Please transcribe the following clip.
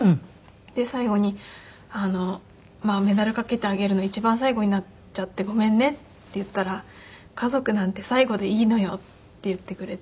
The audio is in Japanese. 最後に「メダルかけてあげるの一番最後になっちゃってごめんね」って言ったら「家族なんて最後でいいのよ」って言ってくれて。